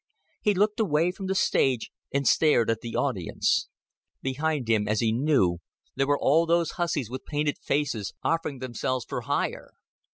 He looked away from the stage, and stared at the audience. Behind him, as he knew, there were all those hussies with painted faces offering themselves for hire.